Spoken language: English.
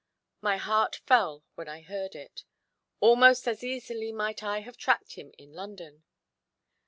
My heart fell when I heard it; almost as easily might I have tracked him in London.